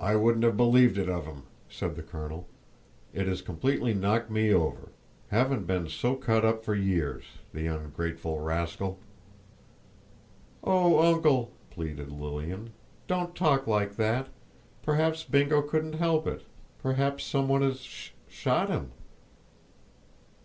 "I wouldn't have believed it of him," said the colonel; "it has completely knocked me over. Haven't been so cut up for years—the ungrateful rascal!" "O uncle!" pleaded Lilian, "don't talk like that; perhaps Bingo couldn't help it—perhaps some one has s s shot him!"